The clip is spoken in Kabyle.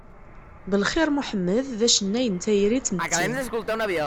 Belxir Muḥemmed d acennay n tayri d tmetti.